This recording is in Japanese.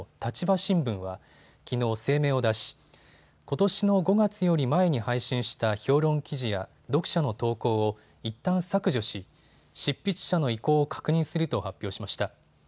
新聞はきのう声明を出し、ことしの５月より前に配信した評論記事や読者の投稿をいったん削除し執筆者の意向を確認すると発表しました。